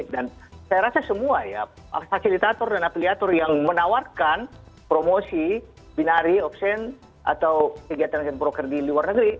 dan saya rasa semua ya fasilitator dan apelator yang menawarkan promosi binari opsien atau kegiatan kegiatan broker di luar negeri